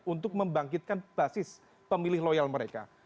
untuk membangkitkan basis pemilih loyal mereka